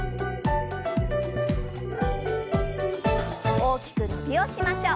大きく伸びをしましょう。